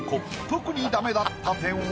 特にダメだった点は？